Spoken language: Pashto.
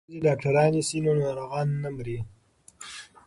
که ښځې ډاکټرانې شي نو ناروغانې نه مري.